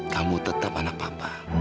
kamu tetap anak papa